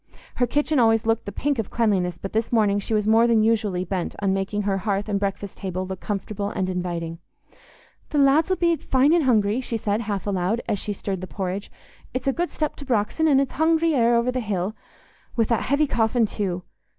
Her kitchen always looked the pink of cleanliness, but this morning she was more than usually bent on making her hearth and breakfast table look comfortable and inviting. "The lads 'ull be fine an' hungry," she said, half aloud, as she stirred the porridge. "It's a good step to Brox'on, an' it's hungry air o'er the hill—wi' that heavy coffin too.